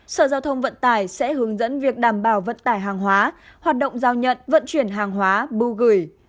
sở giao thông vận tải sẽ hướng dẫn việc đảm bảo vận tải hàng hóa hoạt động giao nhận vận chuyển hàng hóa bưu gửi